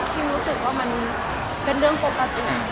รู้สึกว่ามันเป็นเรื่องปกติ